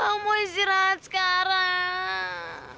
aku mau istirahat sekarang